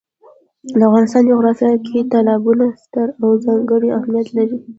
د افغانستان جغرافیه کې تالابونه ستر او ځانګړی اهمیت لري.